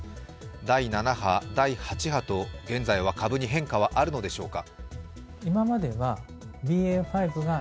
第７波、第８波と現在は株に変化があるのでしょうか？